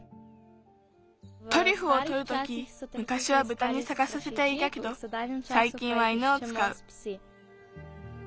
トリュフをとるときむかしはブタにさがさせていたけどさいきんは犬をつかう。